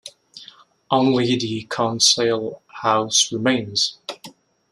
Only the Council House remains.